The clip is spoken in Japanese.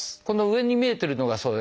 この上に見えてるのが。